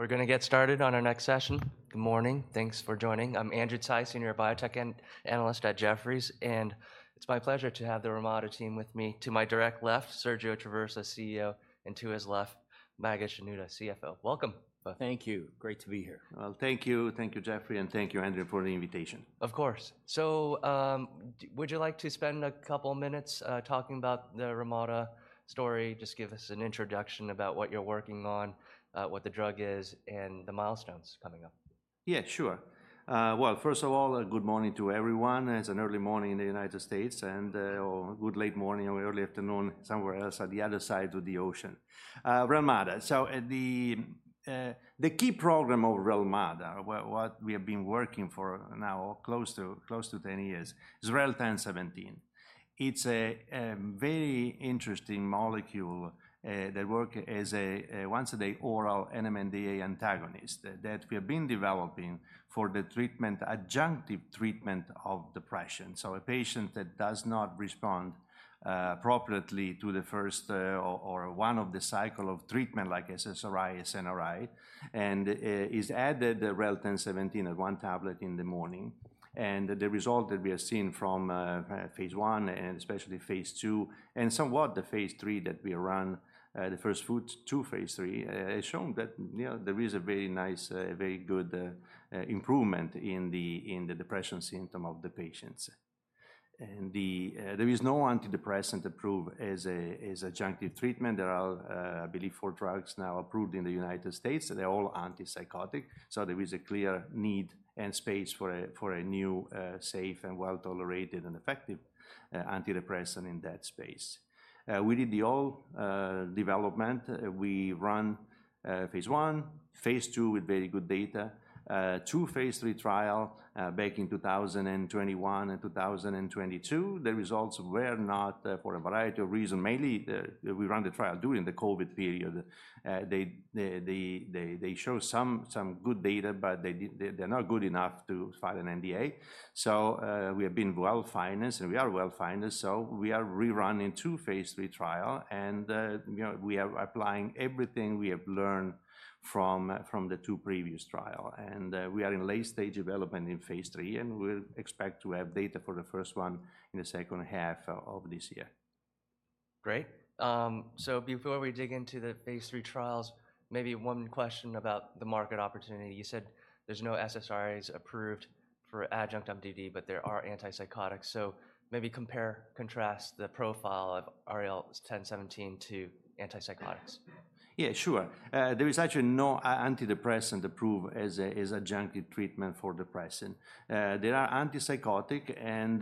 We're gonna get started on our next session. Good morning. Thanks for joining. I'm Andrew Tsai, Senior Biotech Analyst at Jefferies, and it's my pleasure to have the Relmada team with me. To my direct left, Sergio Traversa, CEO, and to his left, Maged Shenouda, CFO. Welcome. Thank you. Great to be here. Well, thank you. Thank you, Jefferies, and thank you, Andrew, for the invitation. Of course. So, would you like to spend a couple minutes talking about the Relmada story? Just give us an introduction about what you're working on, what the drug is, and the milestones coming up. Yeah, sure. Well, first of all, a good morning to everyone. It's an early morning in the United States, and or a good late morning or early afternoon somewhere else on the other side of the ocean. Relmada. So at the key program of Relmada, what we have been working for now close to 10 years, is REL-1017. It's a very interesting molecule that work as a once-a-day oral NMDA antagonist that we have been developing for the treatment, adjunctive treatment of depression. So a patient that does not respond appropriately to the first or one of the cycle of treatment like SSRI, SNRI, and is added the REL-1017 at one tablet in the morning. And the result that we have seen from phase I, and especially phase II, and somewhat the phase III that we run, the first two phase III, has shown that, you know, there is a very nice, very good improvement in the depression symptom of the patients. And there is no antidepressant approved as a adjunctive treatment. There are, I believe, four drugs now approved in the United States, and they're all antipsychotic. So there is a clear need and space for a new, safe and well-tolerated and effective antidepressant in that space. We did all the development. We run phase I, phase II with very good data, two phase III trial back in 2021 and 2022. The results were not, for a variety of reasons, mainly, we ran the trial during the COVID period. They show some good data, but they're not good enough to file an NDA. So, we have been well-financed, and we are well-financed, so we are rerunning two phase three trial, and, you know, we are applying everything we have learned from the two previous trial. We are in late stage development in phase three, and we'll expect to have data for the first one in the second half of this year. Great. So before we dig into the phase III trials, maybe one question about the market opportunity. You said there's no SSRIs approved for adjunct MDD, but there are antipsychotics. So maybe compare, contrast the profile of REL-1017 to antipsychotics. Yeah, sure. There is actually no antidepressant approved as a, as adjunctive treatment for depression. There are antipsychotic, and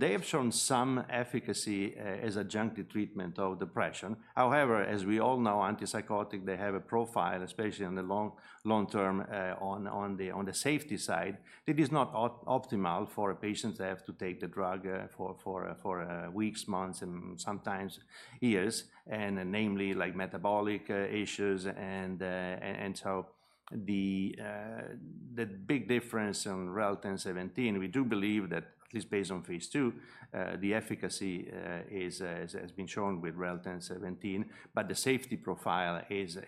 they have shown some efficacy as adjunctive treatment of depression. However, as we all know, antipsychotic, they have a profile, especially on the long, long term, on the safety side, that is not optimal for patients that have to take the drug, for weeks, months, and sometimes years, and namely, like, metabolic issues and so the big difference in REL-1017, we do believe that at least based on phase two, the efficacy is has been shown with REL-1017, but the safety profile is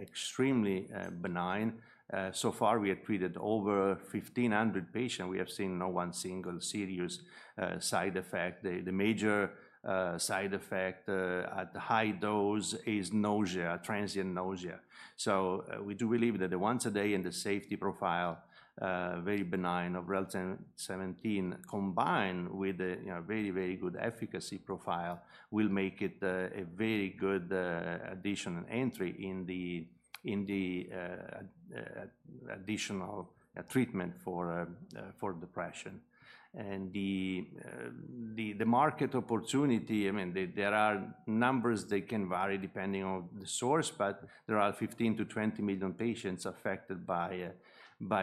extremely benign. So far, we have treated over 1,500 patient. We have seen no one single serious side effect. The major side effect at high dose is nausea, transient nausea. So, we do believe that the once a day and the safety profile very benign of REL-1017, combined with a, you know, very, very good efficacy profile, will make it a very good additional entry in the additional treatment for depression. And the market opportunity, I mean, there are numbers that can vary depending on the source, but there are 15 million-20 million patients affected by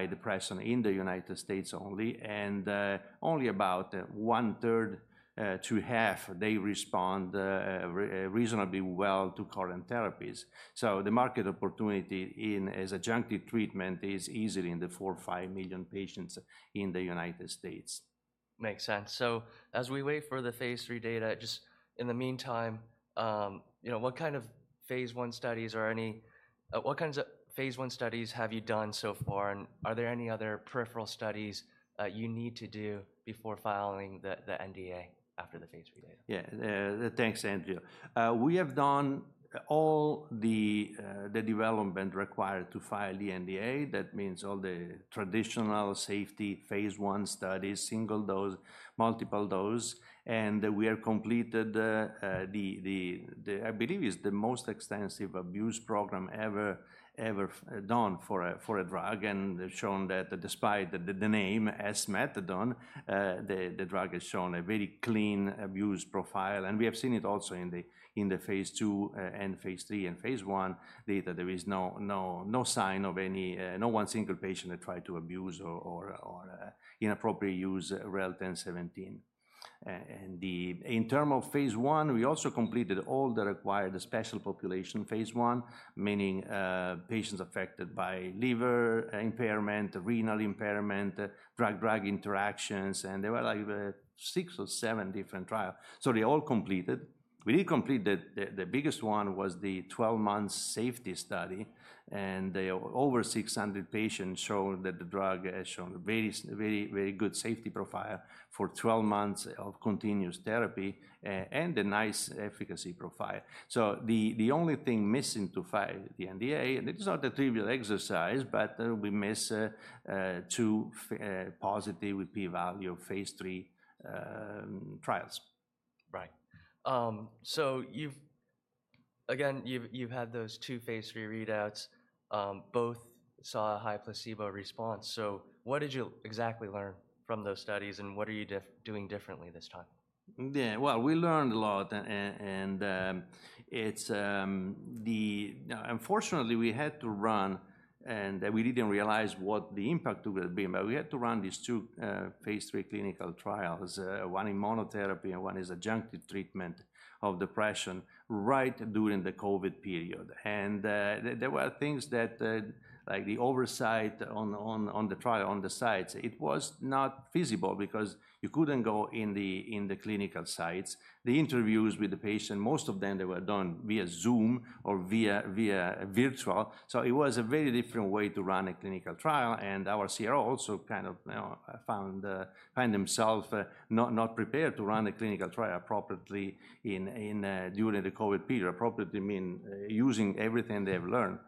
depression in the United States only, and only about 1/3 to 1/2 they respond reasonably well to current therapies. The market opportunity as an adjunctive treatment is easily in the 4 million-5 million patients in the United States. Makes sense. So as we wait for the phase III data, just in the meantime, you know, what kinds of phase I studies have you done so far, and are there any other peripheral studies you need to do before filing the NDA after the phase III data? Yeah. Thanks, Andrew. We have done all the development required to file the NDA. That means all the traditional safety phase one studies, single dose, multiple dose, and we have completed the—I believe it's the most extensive abuse program ever done for a drug, and they've shown that despite the name esmethadone, the drug has shown a very clean abuse profile. And we have seen it also in the phase two and phase III and phase one data. There is no sign of any, no one single patient that tried to abuse or inappropriate use REL-1017. In terms of phase I, we also completed all the required special population phase I, meaning patients affected by liver impairment, renal impairment, drug-drug interactions, and there were, like, six or seven different trials. So they all completed. We did complete the biggest one was the 12-month safety study, and the over 600 patients showed that the drug has shown very, very good safety profile for 12 months of continuous therapy and a nice efficacy profile. So the only thing missing to file the NDA, and this is not a trivial exercise, but we miss two positive P-values of phase III trials. Right. So you've—again, you've had those two phase III readouts. Both saw a high placebo response. So what did you exactly learn from those studies, and what are you doing differently this time? Yeah, well, we learned a lot. Unfortunately, we had to run, and we didn't realize what the impact it would be, but we had to run these two phase III clinical trials, one in monotherapy and one as adjunctive treatment of depression, right during the COVID period. And there were things that like the oversight on the trial, on the sites, it was not feasible because you couldn't go in the clinical sites. The interviews with the patient, most of them, they were done via Zoom or via virtual. So it was a very different way to run a clinical trial, and our CRO also kind of, you know, found themselves not prepared to run a clinical trial appropriately in during the COVID period. Appropriately mean, using everything they have learned,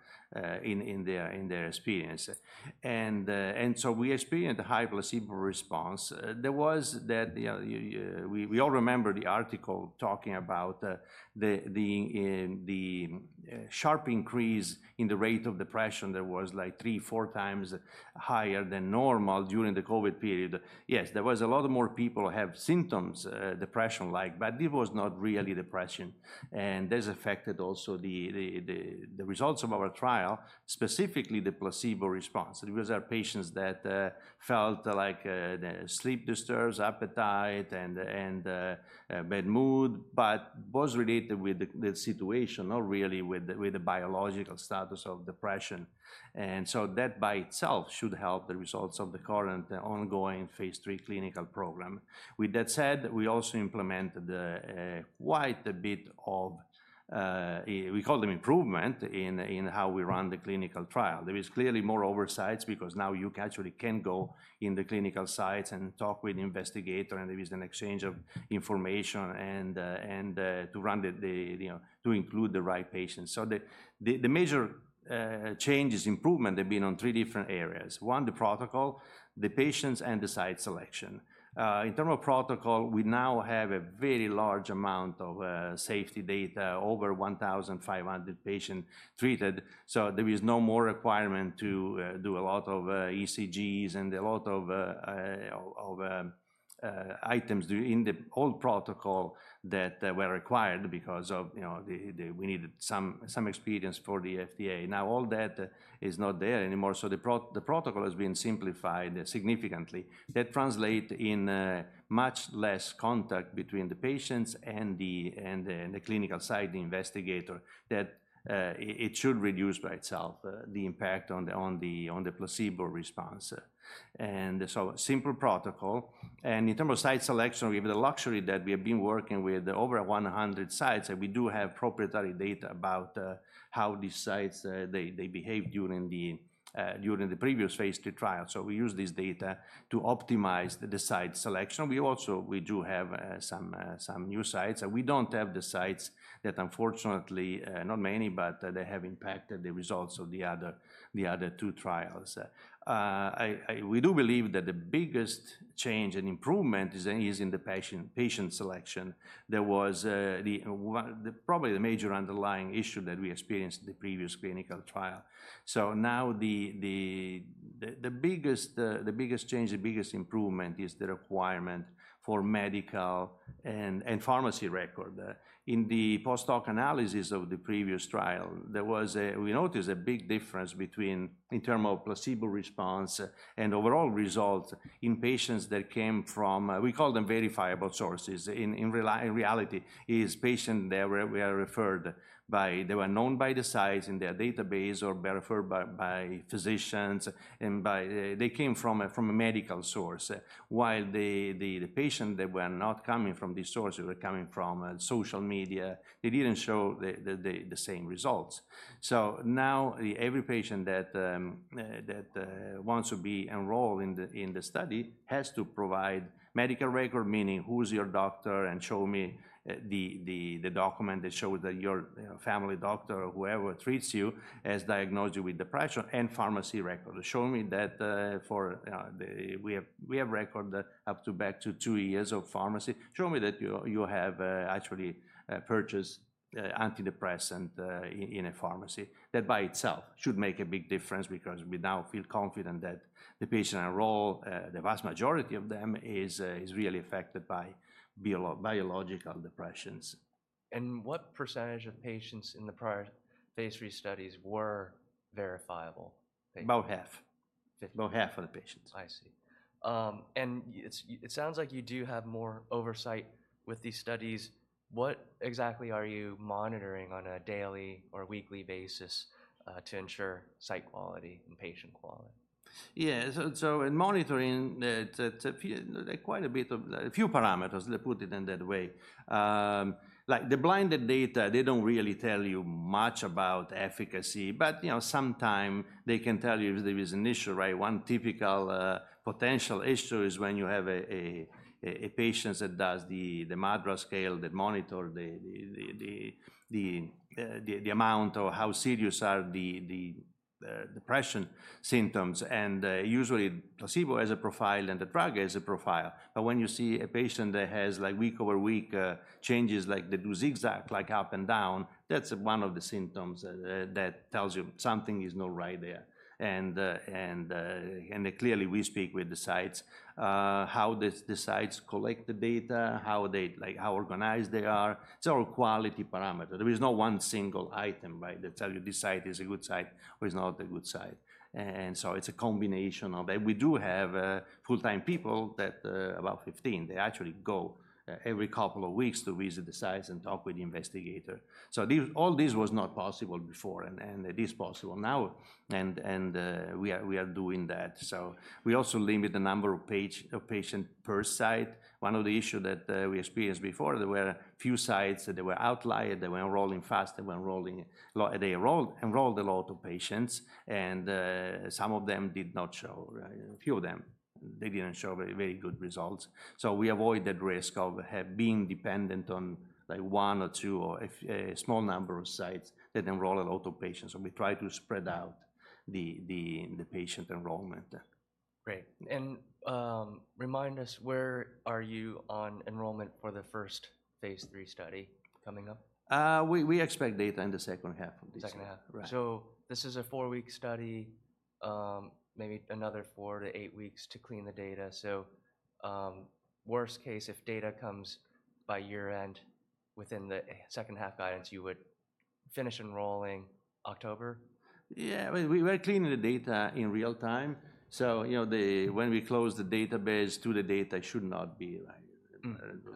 in their experience. And so we experienced a high placebo response. There was that, you know, we all remember the article talking about the sharp increase in the rate of depression that was like three to four times higher than normal during the COVID period. Yes, there was a lot more people have symptoms, depression-like, but it was not really depression, and this affected also the results of our trial, specifically the placebo response. It was our patients that felt like their sleep disturbs, appetite, and bad mood, but was related with the situation, not really with the biological status of depression. So that by itself should help the results of the current ongoing phase III clinical program. With that said, we also implemented quite a bit of, we call them improvement in how we run the clinical trial. There is clearly more oversights because now you actually can go in the clinical sites and talk with the investigator, and there is an exchange of information and to run the you know to include the right patients. So the major changes, improvement have been on three different areas. One, the protocol, the patients, and the site selection. In terms of protocol, we now have a very large amount of safety data, over 1,500 patients treated. So there is no more requirement to do a lot of ECGs and a lot of items in the old protocol that were required because of, you know, we needed some experience for the FDA. Now, all that is not there anymore, so the protocol has been simplified significantly. That translate in much less contact between the patients and the clinical site investigator, that it should reduce by itself the impact on the placebo response. And so a simple protocol. And in terms of site selection, we have the luxury that we have been working with over 100 sites, and we do have proprietary data about how these sites they behaved during the previous phase II trial. So we use this data to optimize the site selection. We also, we do have some new sites. We don't have the sites that unfortunately not many, but they have impacted the results of the other two trials. We do believe that the biggest change and improvement is in the patient selection. There was probably the major underlying issue that we experienced in the previous clinical trial. So now the biggest change, the biggest improvement is the requirement for medical and pharmacy record. In the post-hoc analysis of the previous trial, we noticed a big difference, in terms of placebo response and overall results in patients that came from, we call them, verifiable sources. In reality, it's patients that were referred by—they were known by the sites in their database or were referred by physicians and by. They came from a medical source, while the patients that were not coming from these sources were coming from social media, they didn't show the same results. So now, every patient that wants to be enrolled in the study has to provide medical record, meaning who's your doctor, and show me the document that show that your, you know, family doctor or whoever treats you has diagnosed you with depression and pharmacy record. Show me that, for the—we have record up to back to two years of pharmacy. Show me that you, you have actually purchased antidepressant in a pharmacy. That by itself should make a big difference because we now feel confident that the patient enroll, the vast majority of them, is really affected by biological depressions. What percentage of patients in the prior phase III studies were verifiable? About half. About half of the patients. I see. And it's, it sounds like you do have more oversight with these studies. What exactly are you monitoring on a daily or weekly basis, to ensure site quality and patient quality? Yeah. So in monitoring a few parameters, let's put it that way. Like the blinded data, they don't really tell you much about efficacy, but, you know, sometimes they can tell you if there is an issue, right? One typical potential issue is when you have a patient that does the MADRS scale that monitor the amount or how serious are the depression symptoms. And usually placebo has a profile, and the drug has a profile. But when you see a patient that has, like, week over week changes, like they do zigzag, like up and down, that's one of the symptoms that tells you something is not right there. And clearly we speak with the sites, how the sites collect the data, how they like how organized they are. It's all quality parameter. There is no one single item, right, that tell you this site is a good site or is not a good site. And so it's a combination of that. We do have full-time people that about 15. They actually go every couple of weeks to visit the sites and talk with the investigator. So all this was not possible before, and it is possible now, and we are doing that. So we also limit the number of patients per site. One of the issue that we experienced before, there were a few sites that were outlier. They were enrolling fast. They were enrolling a lot. They enrolled a lot of patients, and some of them did not show, right? A few of them, they didn't show very, very good results. So we avoid that risk of being dependent on, like, one or two or a small number of sites that enroll a lot of patients, and we try to spread out the patient enrollment. Great. Remind us, where are you on enrollment for the first phase III study coming up? We expect data in the second half of this year. Second half. Right. This is a four-week study, maybe another four to eight weeks to clean the data. Worst case, if data comes by year-end, within the second half guidance, you would finish enrolling October? Yeah, I mean, we are cleaning the data in real time, so, you know, the, when we close the database to the data, it should not be like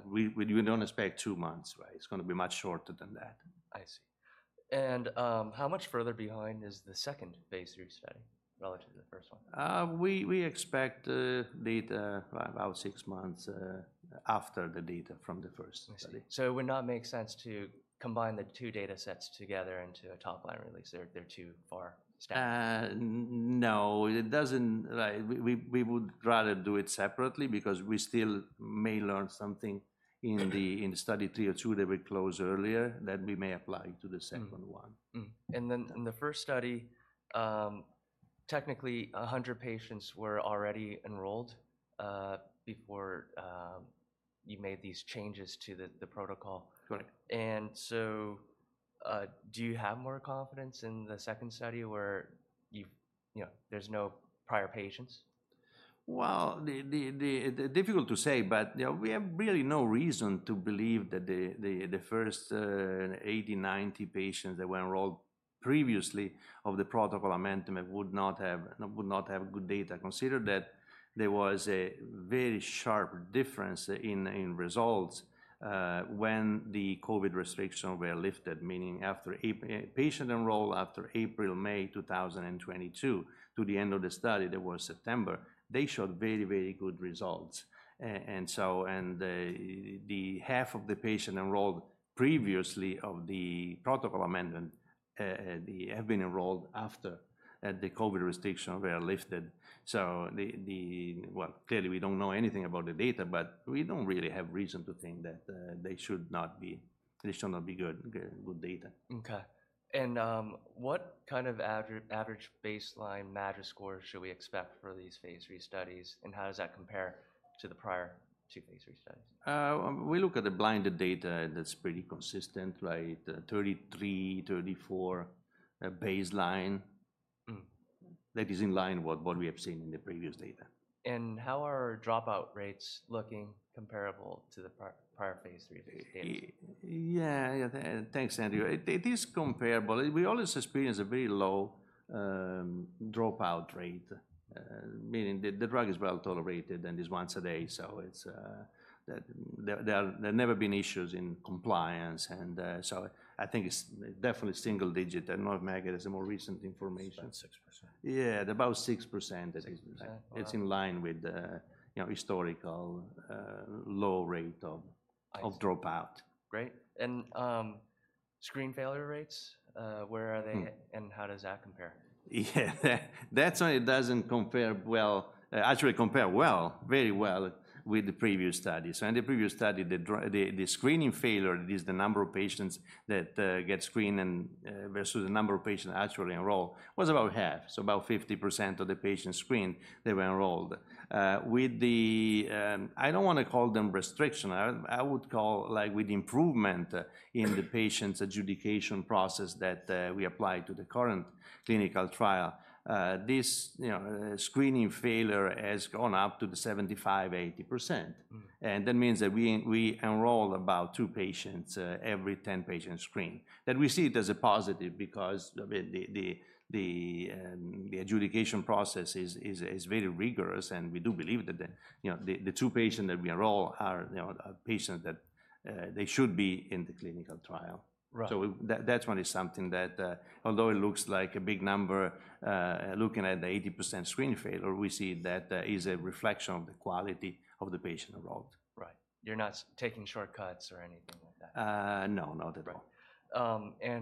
we don't expect two months, right? It's gonna be much shorter than that. I see. And, how much further behind is the second phase III study relative to the first one? We expect data about six months after the data from the first study. I see. So it would not make sense to combine the two data sets together into a top-line release. They're too far stacked. No, it doesn't, like we would rather do it separately because we still may learn something in the in study three or two that we closed earlier, that we may apply to the second one. Then in the first study, technically, 100 patients were already enrolled before you made these changes to the protocol. Correct. And so, do you have more confidence in the second study where you've, you know, there's no prior patients? Well, difficult to say, but you know, we have really no reason to believe that the first 80, 90 patients that were enrolled previously of the protocol amendment would not have good data. Consider that there was a very sharp difference in results when the COVID restrictions were lifted, meaning after patient enroll after April, May 2022, to the end of the study, that was September, they showed very, very good results. And so, the half of the patient enrolled previously of the protocol amendment have been enrolled after the COVID restrictions were lifted. Well, clearly, we don't know anything about the data, but we don't really have reason to think that they should not be good data. Okay. What kind of average baseline MADRS score should we expect for these phase III studies, and how does that compare to the prior two phase III studies? When we look at the blinded data, that's pretty consistent, like, 33, 34, baseline. That is in line with what we have seen in the previous data. How are dropout rates looking comparable to the prior phase III data? Yeah. Yeah, thanks, Andrew. It is comparable. We always experience a very low dropout rate, meaning the drug is well-tolerated and is once a day, so it's... There have never been issues in compliance, and so I think it's definitely single digit. I know Maged has more recent information. It's about 6%. Yeah, about 6%. 6%. It's in line with, you know, historical low rate of dropout. Great, and screen failure rates, where are they and how does that compare? Yeah, that's why it doesn't compare well, actually compare well, very well with the previous study. So in the previous study, the screening failure is the number of patients that get screened and versus the number of patients actually enroll, was about half. So about 50% of the patients screened, they were enrolled. With the, I don't wanna call them restriction. I would call, like with improvement in the patient's adjudication process that we applied to the current clinical trial. This, you know, screening failure has gone up to the 75%-80%. And that means that we enroll about two patients every 10 patients screened. That we see it as a positive because the adjudication process is very rigorous, and we do believe that, you know, the two patient that we enroll are, you know, are patient that they should be in the clinical trial. Right. So, that one is something that, although it looks like a big number, looking at the 80% screen failure, we see that is a reflection of the quality of the patient enrolled. Right. You're not taking shortcuts or anything like that? No, no, they don't. Right.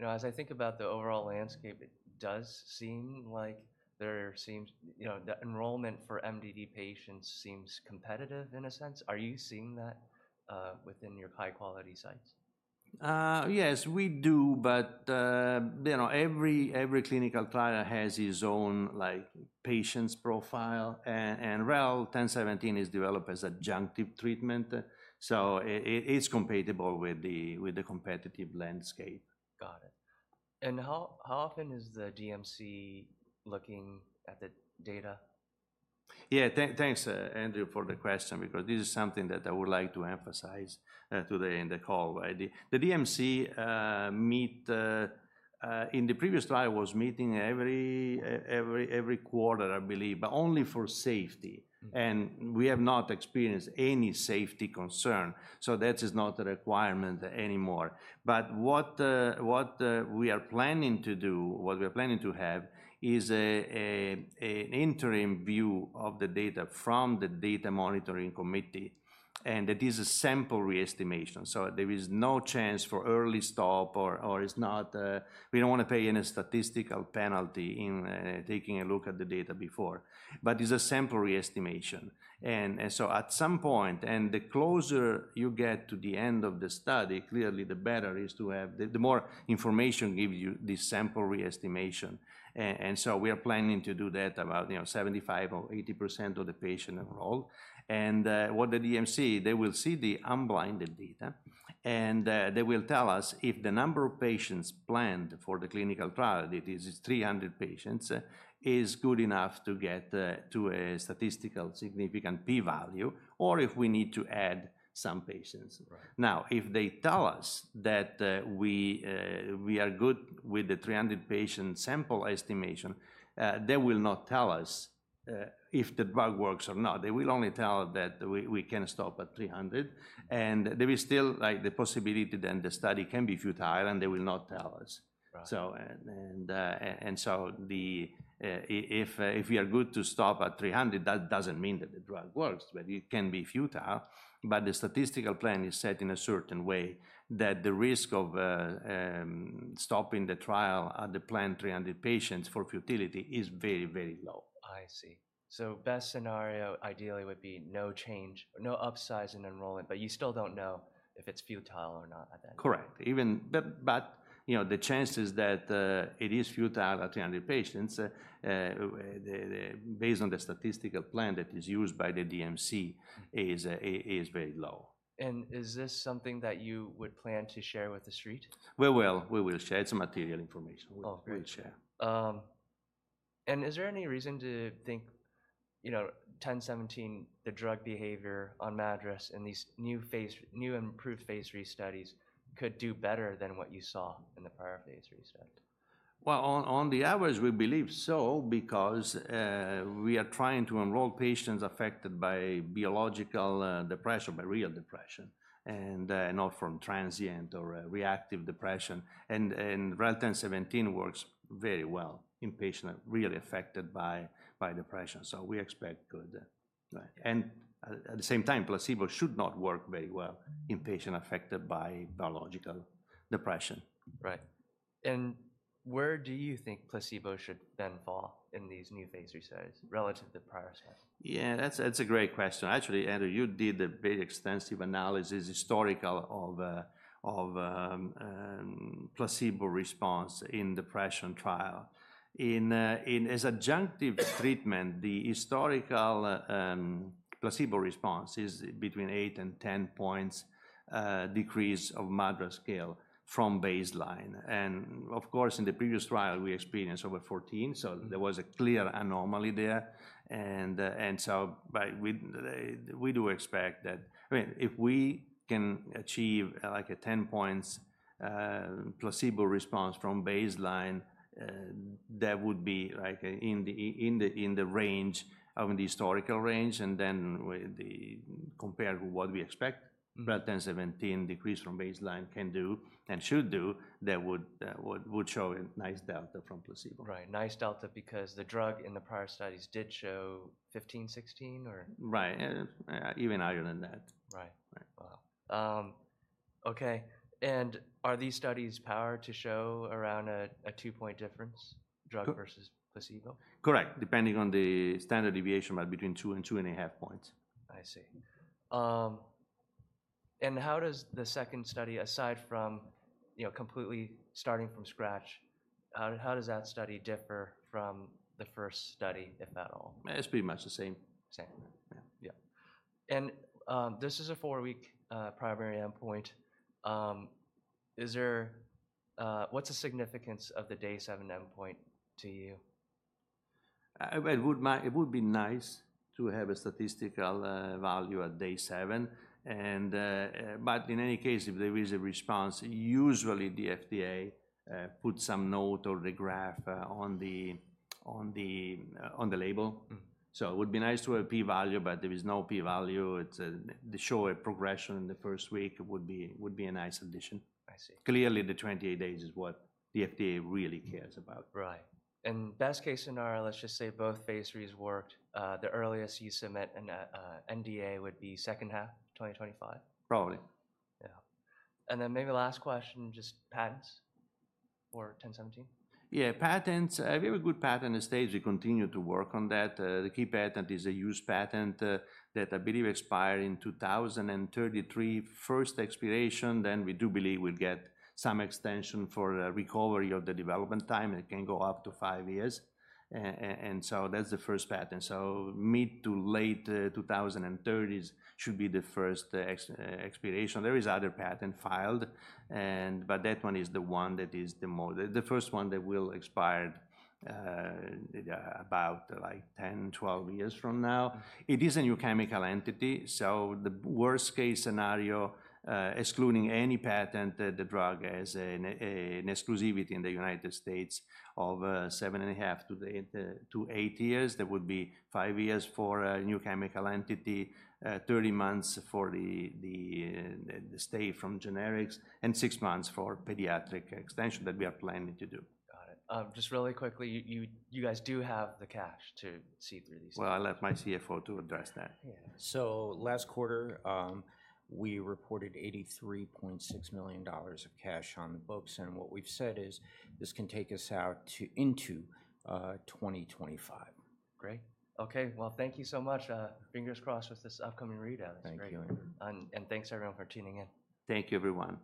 You know, as I think about the overall landscape, it does seem like there seems—you know, the enrollment for MDD patients seems competitive in a sense. Are you seeing that within your high-quality sites? Yes, we do, but you know, every clinical trial has its own like, patient profile, and REL-1017 is developed as adjunctive treatment, so it, it's compatible with the competitive landscape. Got it, and how, how often is the DMC looking at the data? Yeah, thanks, Andrew, for the question because this is something that I would like to emphasize today in the call. The DMC in the previous trial was meeting every quarter, I believe, but only for safety. We have not experienced any safety concern, so that is not a requirement anymore. But what we are planning to do, what we are planning to have is an interim view of the data from the data monitoring committee, and that is a sample re-estimation. So there is no chance for early stop or it's not... We don't want to pay any statistical penalty in taking a look at the data before, but it's a sample re-estimation. And so at some point, and the closer you get to the end of the study, clearly, the better is to have the more information gives you this sample re-estimation. And so we are planning to do that about, you know, 75 or 80% of the patient enrolled. What the DMC, they will see the unblinded data, and they will tell us if the number of patients planned for the clinical trial, that is 300 patients, is good enough to get to a statistically significant P-value or if we need to add some patients. Now, if they tell us that we are good with the 300 patient sample estimation, they will not tell us if the drug works or not. They will only tell that we can stop at 300, and there is still, like, the possibility then the study can be futile, and they will not tell us. So, if we are good to stop at 300, that doesn't mean that the drug works, but it can be futile. But the statistical plan is set in a certain way that the risk of stopping the trial at the planned 300 patients for futility is very, very low. I see. So best scenario, ideally, would be no change or no upsize in enrollment, but you still don't know if it's futile or not at that point? Correct. But you know, the chances that it is futile at 300 patients, based on the statistical plan that is used by the DMC, is very low. Is this something that you would plan to share with the street? We will. We will share. It's material information. Okay. We'll share. Is there any reason to think, you know, REL-1017, the drug behavior on MADRS and these new phase, new improved phase III studies could do better than what you saw in the prior phase III study? Well, on the average, we believe so because we are trying to enroll patients affected by biological depression, by real depression, and not from transient or reactive depression. And REL-1017 works very well in patient really affected by depression, so we expect good. At the same time, placebo should not work very well in patients affected by biological depression. Right. And where do you think placebo should then fall in these new phase III studies relative to the prior studies? Yeah, that's a great question. Actually, Andrew, you did a very extensive analysis, historical, of placebo response in depression trial. In adjunctive treatment, the historical placebo response is between 8 and 10 points decrease of MADRS scale from baseline. And so, but we do expect that. I mean, if we can achieve like 10 points placebo response from baseline, that would be like in the range of the historical range, and then with the compared with what we expect REL-1017 decrease from baseline can do and should do, that would show a nice delta from placebo. Right. Nice delta because the drug in the prior studies did show 15, 16, or? Right, even higher than that. Wow. Okay, are these studies powered to show around a two-point difference, drug versus placebo? Correct. Depending on the standard deviation, but between two and 2.5 points. I see. And how does the second study, aside from, you know, completely starting from scratch, how does that study differ from the first study, if at all? It's pretty much the same. Same. Yeah. Yeah. And, this is a four-week primary endpoint. Is there... What's the significance of the day seven endpoint to you? Well, it would be nice to have a statistical value at day seven, and but in any case, if there is a response, usually the FDA puts some note or the graph on the label. So it would be nice to have a P-value, but there is no P-value. It's to show a progression in the first week would be a nice addition. I see. Clearly, the 28 days is what the FDA really cares about. Right. And best-case scenario, let's just say both phase III's worked. The earliest you submit an NDA would be second half of 2025? Probably. Yeah. And then maybe last question, just patents for 1017? Yeah, patents, we have a good patent stage. We continue to work on that. The key patent is a use patent, that I believe expires in 2033. First expiration, then we do believe we'll get some extension for, recovery of the development time. It can go up to five years. And so that's the first patent. So mid- to late-2030s should be the first expiration. There is other patent filed, and but that one is the one that is the more the first one that will expire, about like 10, 12 years from now. It is a new chemical entity, so the worst-case scenario, excluding any patent, the drug has an exclusivity in the United States of, 7.5 to eight years. That would be five years for a new chemical entity, 30 months for the stay from generics, and 6 months for pediatric extension that we are planning to do. Got it. Just really quickly, you guys do have the cash to see through these things? Well, I'll let my CFO to address that. Yeah. So last quarter, we reported $83.6 million of cash on the books, and what we've said is this can take us out to 2025. Great. Okay, well, thank you so much. Fingers crossed with this upcoming read out. Thank you. Thank you. Thanks, everyone, for tuning in. Thank you, everyone.